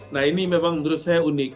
nah ini memang menurut saya unik